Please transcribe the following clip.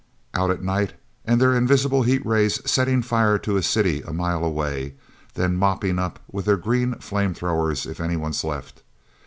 Out at night—and their invisible heat rays setting fire to a city a mile away, then mopping up with their green flame throwers if anyone's left.